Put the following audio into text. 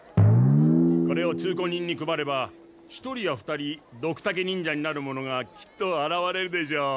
これを通行人に配れば１人や２人ドクタケ忍者になるものがきっとあらわれるでしょう。